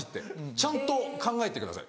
ちゃんと考えてください。